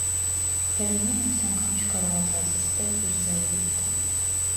Հեղինեն այս անգամ չկարողացավ զսպել իր զայրույթը: